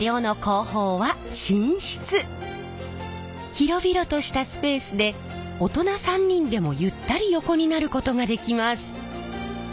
広々としたスペースで大人３人でもゆったり横になることができます。